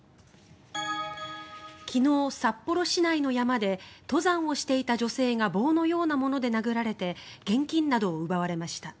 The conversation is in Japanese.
昨日、札幌市内の山で登山をしていた女性が棒のようなもので殴られて現金などを奪われました。